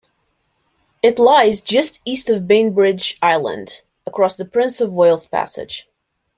It lies just east of Bainbridge Island across the Prince of Wales Passage.